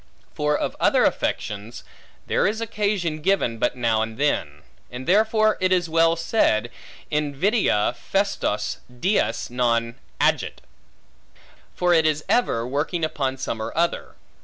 For of other affections, there is occasion given, but now and then; and therefore it was well said, Invidia festos dies non agit: for it is ever working upon some or other.